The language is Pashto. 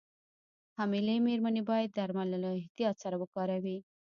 حاملې مېرمنې باید درمل له احتیاط سره وکاروي.